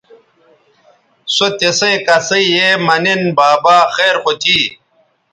سو تسیئں کسئ یے مہ نِن بابا خیر خو تھی